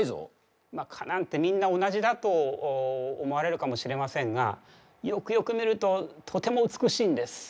ま蚊なんてみんな同じだと思われるかもしれませんがよくよく見るととても美しいんです。